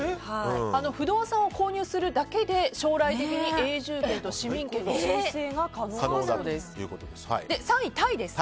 不動産を購入するだけで将来的に永住権と市民権の申請が可能だということです。